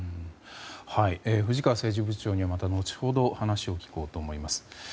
藤川政治部長にはまた後ほど話を聞こうと思います。